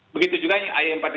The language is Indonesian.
begitu juga yang iam empat dua